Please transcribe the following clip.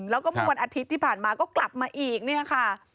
แล้วก็เมื่อวันอาทิตย์ที่ผ่านมาก็กลับมาอีกเนี่ยค่ะ